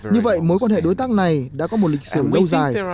như vậy mối quan hệ đối tác này đã có một lịch sử lâu dài